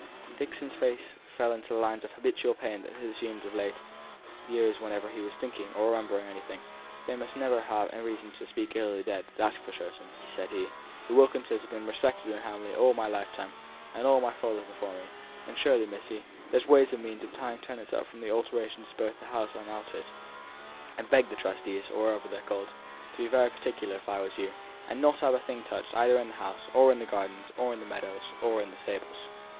Dixon's face fell into the lines of habitual pain that it had always assumed of late years whenever he was thinking or remembering anything. "They must ne'er ha' reason to speak ill of the dead, that's for certain," said he. "The Wilkinses have been respected in Hamley all my lifetime, and all my father's before me, and surely, missy, there's ways and means of tying tenants up from alterations both in the house and out of it, and I'd beg the trustees, or whatever they's called, to be very particular, if I was you, and not have a thing touched either in the house, or the gardens, or the meadows, or the stables.